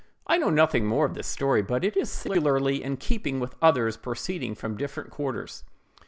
I know nothing more of this story; but it is singularly in keeping with others proceeding from different quarters.